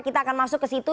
kita akan masuk ke situ